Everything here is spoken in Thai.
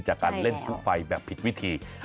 จากการเล่นพลุไฟแบบผิดวิธี